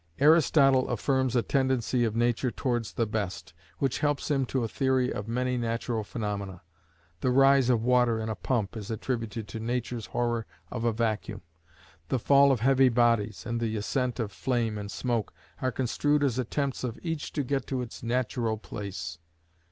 Aristotle affirms a tendency of nature towards the best, which helps him to a theory of many natural phaenomena. The rise of water in a pump is attributed to Nature's horror of a vacuum. The fall of heavy bodies, and the ascent of flame and smoke, are construed as attempts of each to get to its natural place.